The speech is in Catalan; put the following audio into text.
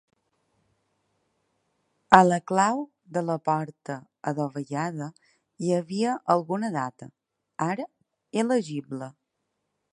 A la clau de la porta adovellada, hi havia alguna data, ara il·legible.